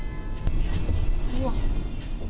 うわっ。